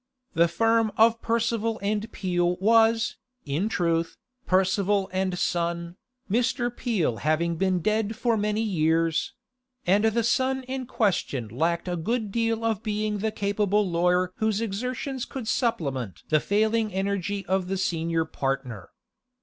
The firm of Percival & Peel was, in truth, Percival & Son, Mr. Peel having been dead for many years; and the son in question lacked a good deal of being the capable lawyer whose exertions could supplement the failing energy of the senior partner.